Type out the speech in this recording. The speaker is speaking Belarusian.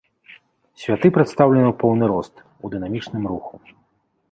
Святы прадстаўлены ў поўны рост, у дынамічным руху.